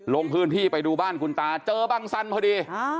ลงพื้นที่ไปดูบ้านคุณตาเจอบังสันพอดี